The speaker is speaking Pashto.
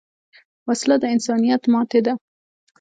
وسله د انسانیت ماتې ده